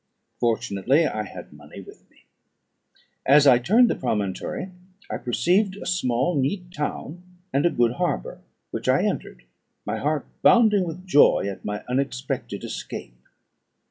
Fortunately I had money with me. As I turned the promontory, I perceived a small neat town and a good harbour, which I entered, my heart bounding with joy at my unexpected escape.